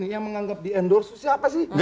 yang menganggap di endorse siapa sih